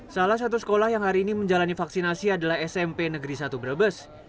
salah satu sekolah yang hari ini menjalani vaksinasi adalah smp negeri satu brebes